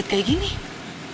ini kenapa mukanya pada bunyi